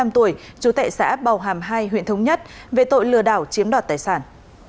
một mươi năm tuổi trú tại xã bào hàm hai huyện thống nhất về tội lừa đảo chiếm đoạt tài sản